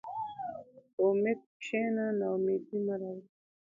په امید کښېنه، ناامیدي مه راوړه.